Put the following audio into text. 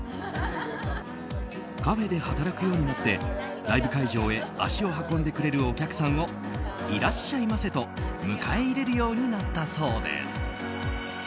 カフェで働くようになってライブ会場へ足を運んでくれるお客さんをいらっしゃいませと迎え入れるようになったそうです。